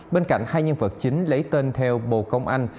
bên cạnh hai nhân vật chính lấy tên theo bồ công anh